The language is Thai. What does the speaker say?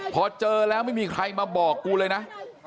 พอเจอแล้วไม่มีใครมาบอกกูเลยนะ